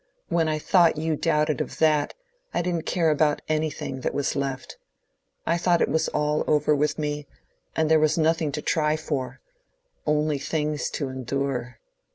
When I thought you doubted of that, I didn't care about anything that was left. I thought it was all over with me, and there was nothing to try for—only things to endure."